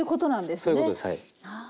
そういうことですはい。